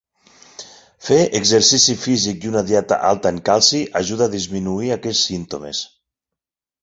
Fer exercici físic i una dieta alta en calci ajuda a disminuir aquests símptomes.